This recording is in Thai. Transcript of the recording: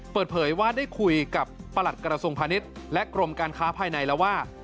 เปิดเผยว่าได้คุยกับประหลัดกระทรวงพาณิชย์และกรมการค้าภายในแล้วว่า